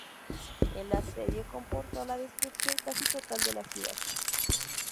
El asedio comportó la destrucción casi total de la ciudad.